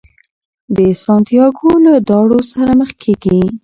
سانتیاګو له داړو سره مخ کیږي.